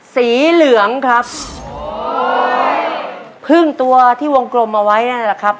สีเหลืองครับพึ่งตัวที่วงกลมเอาไว้นั่นแหละครับ